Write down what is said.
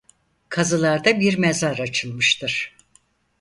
Kazılarda bir mezar açılmıştır.